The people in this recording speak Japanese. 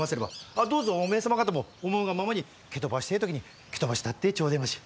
あっどうぞおめえ様方も思うがままに蹴飛ばしてえ時に蹴飛ばしたってちょでまし！